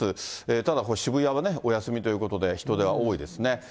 ただ、渋谷はお休みということで、人出は多いですね。